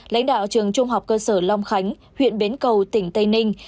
lãnh đạo trường trung học cơ sở long khánh huyện bến cầu tỉnh tây ninh